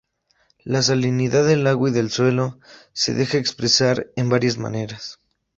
La salinidad del agua y del suelo se deja expresar en varias maneras.